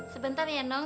sebentar ya nong